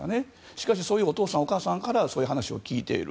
しかし、お父さんお母さんからそういう話を聞いている。